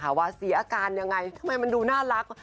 ว่าเสียอาการยังไงทำไมมันดูน่ารัก